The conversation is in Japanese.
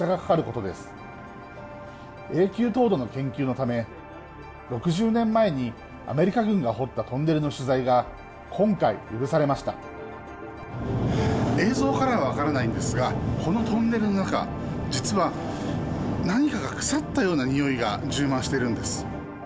永久凍土の研究のため６０年前にアメリカ軍が掘ったトンネルの取材が今回許されました映像からは分からないんですがこのトンネルの中実は何かが腐ったようなにおいが充満しているんです。